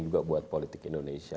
juga buat politik indonesia